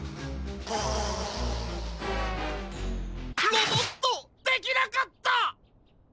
ロボットできなかった！